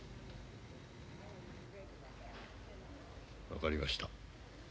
分かりました。